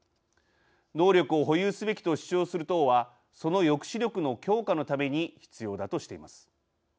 能力を保有すべきと主張する党はその抑止力の強化のために必要だとしています。